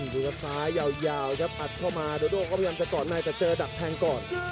ดูกับซ้ายยาวครับปัดเข้ามาโดโดเข้าพยายามจะก่อนหน้าจะเจอดักแทงก่อน